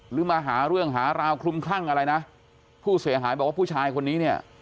มาหาเรื่องหาราวคลุมคลั่งอะไรนะผู้เสียหายบอกว่าผู้ชายคนนี้เนี่ย